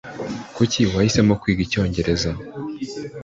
Kuki wahisemo kwiga icyongereza?